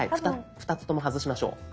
２つとも外しましょう。